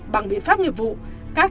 bằng biện pháp nghiệp vụ các